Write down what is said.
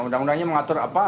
undang undangnya mengatur apa